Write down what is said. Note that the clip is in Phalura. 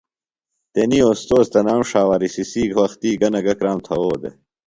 تنی اوستوذ تنام ݜاوا رِسسی وختی گہ نہ گہ کرام تھوؤ دےۡ۔